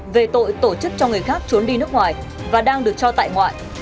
về tội tổ chức cho người khác trốn đi nước ngoài và đang được cho tại ngoại